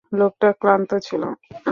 লোকটা ক্লান্ত ছিল।